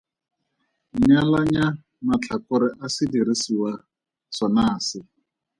Nyalanya matlhakore a sediriswa sona se.